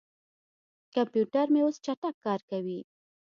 کمپیوټر مې اوس چټک کار کوي.